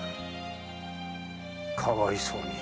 かわいそうに。